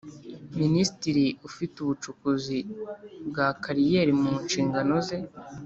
Minisitiri ufite ubucukuzi bwa kariyeri mu nshingano ze